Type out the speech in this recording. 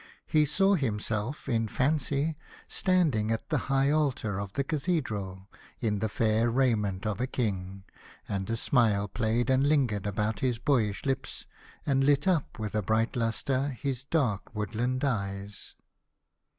He saw himself in fancy standing at the high altar of the cathedral in the fair raiment of a King, and a smile played and lingered about his boyish lips, and lit up with a bright lustre his dark woodland eyes.